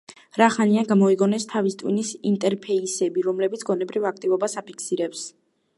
რა ხანია, გამოიგონეს თავის ტვინის ინტერფეისები, რომლებიც გონებრივ აქტივობას აფიქსირებს.